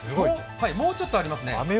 もうちょっとありますね。